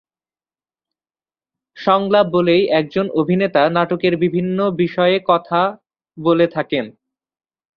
সংলাপ বলেই একজন অভিনেতা নাটকের বিভিন্ন বিষয়ে বলে থাকেন।